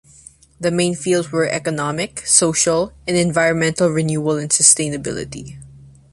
The main fields were economic, social, and environmental renewal and sustainability.